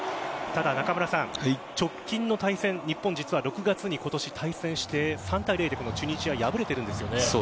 ただ、中村さん直近の対戦、日本実は６月に今年、対戦して３対０でチュニジアに敗れているんです。